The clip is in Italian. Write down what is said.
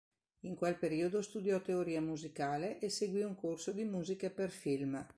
In quel periodo studiò teoria musicale e seguì un corso di musiche per film.